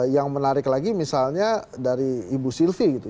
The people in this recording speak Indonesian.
yang menarik lagi misalnya dari ibu sylvie gitu